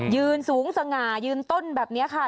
ยืนสูงสง่ายืนต้นแบบนี้ค่ะ